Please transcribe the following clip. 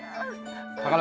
tunggu tukang urut